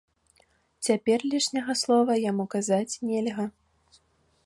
Цяпер лішняга слова яму казаць нельга.